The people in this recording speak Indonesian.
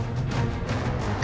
diam saja seperti ini